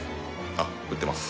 あっ売ってます。